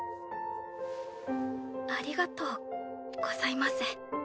ありがとうございます。